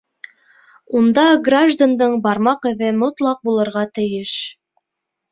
Унда граждандың бармаҡ эҙе мотлаҡ булырға тейеш.